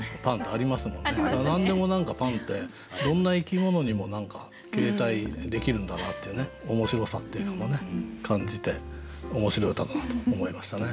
何でも何かパンってどんな生き物にも何か形態できるんだなっていう面白さっていうのも感じて面白い歌だなと思いましたね。